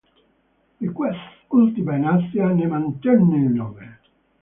Di quest'ultima in Asia ne mantenne il nome.